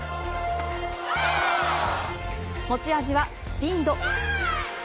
持ち味はスピード。